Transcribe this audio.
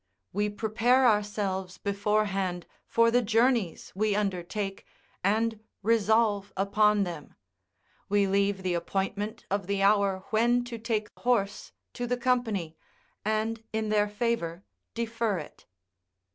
We prepare ourselves beforehand for the journeys we undertake, and resolve upon them; we leave the appointment of the hour when to take horse to the company, and in their favour defer it.